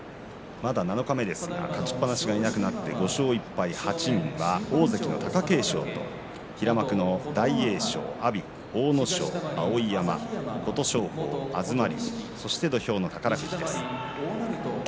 まだ七日目ですが勝ちっぱなしがいなくなって５勝１敗８人は大関の貴景勝と平幕の大栄翔、阿炎阿武咲、碧山琴勝峰、東龍そして土俵の宝富士です。